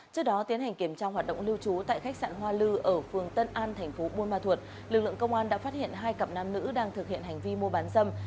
trước đó tiến hành kiểm tra hoạt động lưu trú tại khách sạn hoa lư ở phường tân an thành phố buôn ma thuột lực lượng công an đã phát hiện hai cặp nam nữ đang thực hiện hành vi mua bán dâm